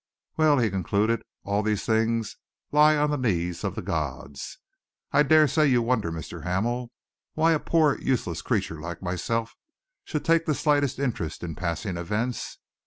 "Well," he concluded, "all these things lie on the knees of the gods. I dare say you wonder, Mr. Hamel, why a poor useless creature like myself should take the slightest interest in passing events?